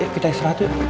kita istirahat yuk